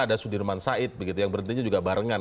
ada sudirman said begitu yang berhentinya juga barengan